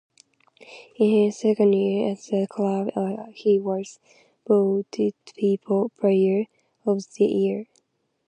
In his second year at the club he was voted player of the year.